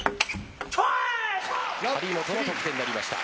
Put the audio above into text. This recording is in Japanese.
張本の得点になりました。